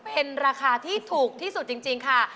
เป็นราคาที่ถูกที่สุดจริงค่ะ